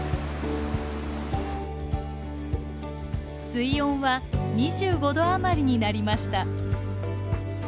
水温は２５度あまりになりました。